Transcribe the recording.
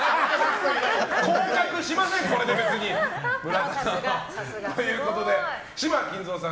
降格しません、これで別に。ということで嶋均三さん